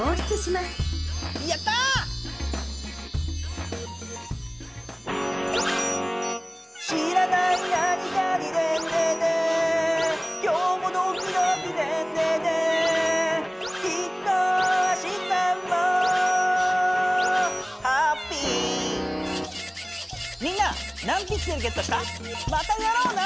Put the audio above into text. またやろうな！